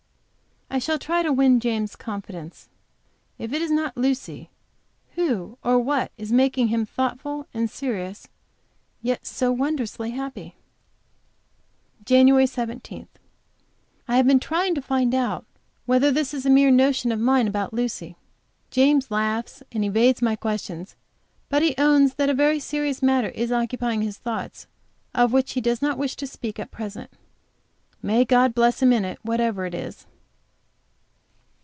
I shall try to win James' confidence. If it is not Lucy, who or what is it that is making him so thoughtful and serious, yet so wondrously happy? JAN. 17. I have been trying to find out whether this is a mere notion of mine about Lucy. James laughs, and evades my questions. But he owns that a very serious matter is occupying his thoughts, of which he does not wish to speak at present. May God bless him in it, whatever it is.